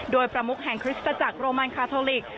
โดยประมุกแห่งคริสตจักรโรมันคาทอลิก